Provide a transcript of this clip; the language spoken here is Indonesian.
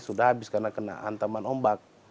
sudah habis karena kena hantaman ombak